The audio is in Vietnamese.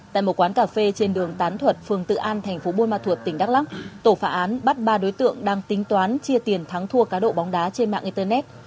tại một quán cà phê trên đường tán thuật phường tự an thành phố buôn ma thuột tỉnh đắk lắc tổ phạm bắt ba đối tượng đang tính toán chia tiền thắng thua cá độ bóng đá trên mạng internet